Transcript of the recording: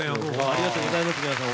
ありがとうございます皆さん